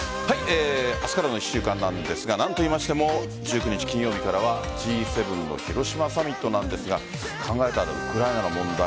明日からの１週間なんですが何と言いましても１９日金曜日からはＧ７の広島サミットなんですが考えたら、ウクライナの問題